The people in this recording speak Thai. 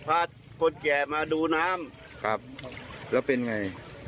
พาคนแก่มาดูน้ำแล้วเป็นอย่างไร